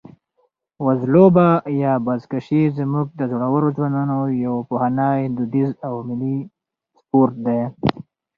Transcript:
وزلوبه یا بزکشي زموږ د زړورو ځوانانو یو پخوانی، دودیز او ملي سپورټ دی.